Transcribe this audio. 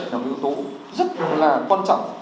là một yếu tố rất là quan trọng